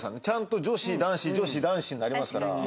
ちゃんと女子男子女子男子になりますから。